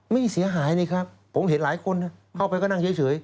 ไม่เสียหายเลยครับผมเห็นหลายคนเข้าไปก็นั่งเฉย